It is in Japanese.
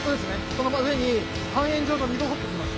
その上に半円状の溝を掘っていきます。